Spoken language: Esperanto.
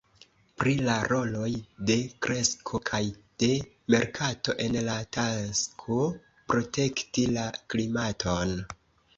Pri la roloj de kresko kaj de merkato en la tasko protekti la klimaton.